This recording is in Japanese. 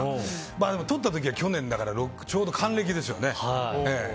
でも、撮った時は去年だからちょうど還暦ですよね。